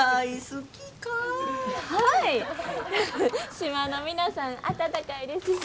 島の皆さん温かいですし。